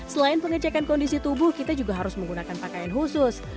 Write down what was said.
selain pengecekan kondisi tubuh kita juga harus menggunakan pakaian khusus